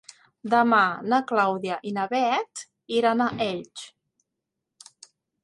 Demà na Clàudia i na Bet iran a Elx.